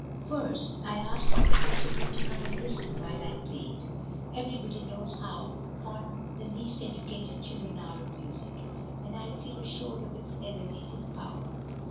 First I asked some of the children to come and listen while I played. Everybody knows how fond the least educated children are of music; and I feel assured of its elevating power.